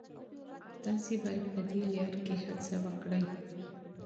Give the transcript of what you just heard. تاسي باید په دې لاره کي هڅه وکړئ.